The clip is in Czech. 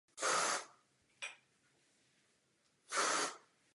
Tím je hlasování uzavřeno.